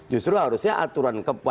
justru harusnya aturan